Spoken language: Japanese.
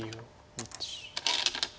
１。